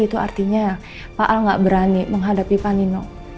itu artinya pak al gak berani menghadapi pak nino